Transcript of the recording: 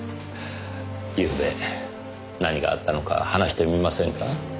ゆうべ何があったのか話してみませんか？